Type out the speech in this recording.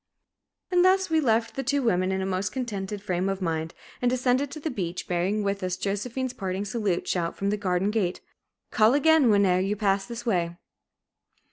And thus we left the two women in a most contented frame of mind, and descended to the beach, bearing with us Josephine's parting salute, shouted from the garden gate, "Call agin, whene'er ye pass this way!"